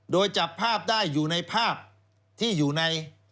โดยจับภาพได้อยู่ในภาพที่อยู่ใน